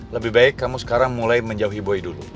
lebih baik kamu sekarang mulai menjauhi boy dulu